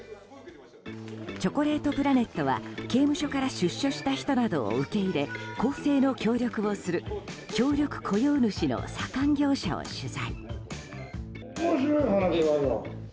チョコレートプラネットは刑務所から出所した人などを受け入れ更生の協力をする協力雇用主の左官業者を取材。